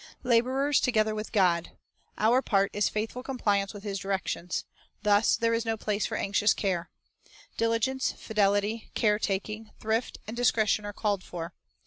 " Laborers together with God,"" our part is faithful com pliance with His directions. Thus there is no place for anxious care. Diligence, fidelity, care taking, thrift, and discretion are called for.